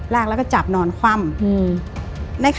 แล้วก็จับนอนคว่ำ